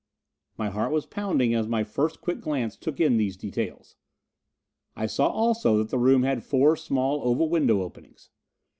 My heart was pounding as my first quick glance took in these details. I saw also that the room had four small oval window openings.